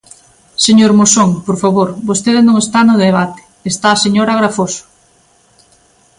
Señor Moxón, por favor, vostede non está no debate, está a señora Agrafoxo.